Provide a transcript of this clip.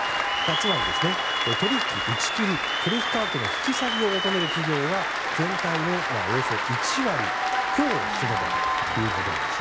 つまり、取引打ち切り取引価格の引き下げを求める企業が全体のおよそ１割強を占めたということです。